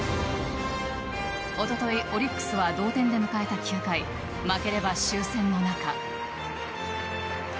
おとといオリックスは同点で迎えた９回負ければ終戦の中。